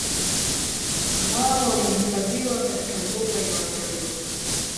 Ambao wamehifadhiwa katika mbuga ya wanyama